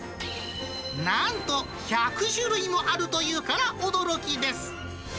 なんと１００種類もあるというから驚きです。